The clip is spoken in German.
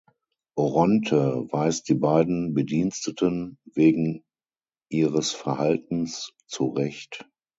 Oronte weist die beiden Bediensteten wegen ihres Verhaltens zurecht.